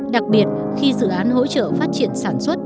đặc biệt khi dự án hỗ trợ phát triển sản xuất